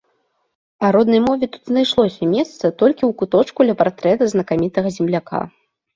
А роднай мове тут знайшлося месца толькі ў куточку ля партрэта знакамітага земляка.